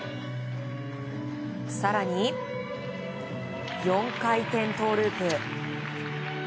更に４回転トウループ。